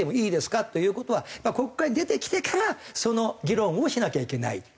っていう事は国会に出てきてからその議論をしなきゃいけない。